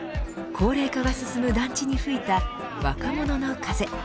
高齢化が進む団地に吹いた若者の風。